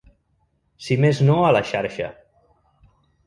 Si més no a la xarxa.